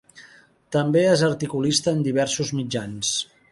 També és articulista en diversos mitjans.